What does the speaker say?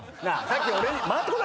さっき俺に。